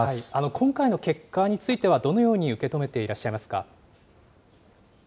今回の結果については、どのように受け止めていらっしゃいますか。